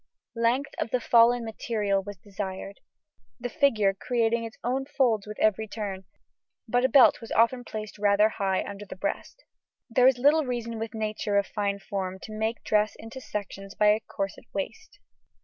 Length of fall in the material was desired, the figure creating its own folds with every turn, but a belt was often placed rather high under the breast. There is little reason with nature of fine form to make dress into sections by a corset waist.